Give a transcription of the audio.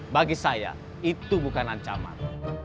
bagi saya itu bukan ancaman